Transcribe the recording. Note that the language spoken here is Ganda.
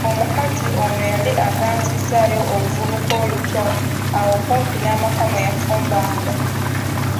Omukazi ono yali aganzizzayo oluvubuka oluto awo kumpi n’amaka mwe yafumbanga.